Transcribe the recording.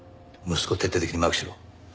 息子を徹底的にマークしろ。